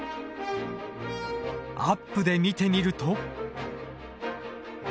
アップで見てみると。